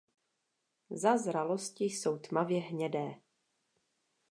Za zralosti jsou tmavě hnědé.